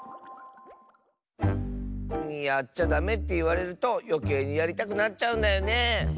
やっちゃダメっていわれるとよけいにやりたくなっちゃうんだよねえ。